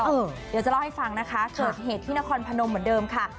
เดี๋ยวจะเล่าให้ฟังนะคะเกิดเหตุที่นครพนมเหมือนเดิมค่ะ